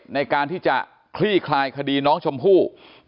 ในการที่จะคลี่คลายคดีน้องชมพู่